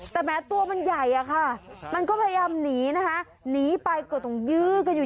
แต่แม้ตัวมันใหญ่อะค่ะมันก็พยายามหนีนะคะหนีไปก็ต้องยื้อกันอยู่